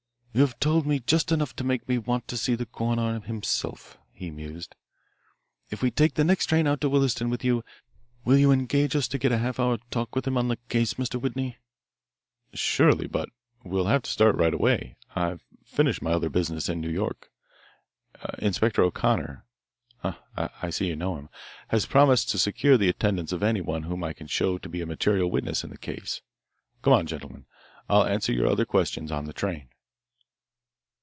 "You have told me just enough to make me want to see the coroner himself," he mused. "If we take the next train out to Williston with you, will you engage to get us a half hour talk with him on the case, Mr. Whitney?" "Surely. But we'll have to start right away. I've finished my other business in New York. Inspector O'Connor ah, I see you know him has promised to secure the attendance of anyone whom I can show to be a material witness in the case. Come on, gentlemen: I'll answer your other questions on the train."